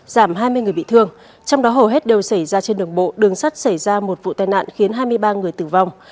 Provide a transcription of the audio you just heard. giảm hai mươi người bị thương trong đó hầu hết đều xảy ra trên đường bộ đường sắt xảy ra một vụ tai nạn khiến hai mươi ba người tử vong